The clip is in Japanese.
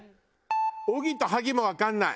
「荻」と「萩」もわかんない。